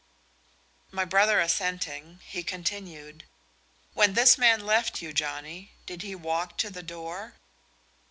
My brother assenting, he continued, "When this man left you, Johnnie, did he walk to the door?"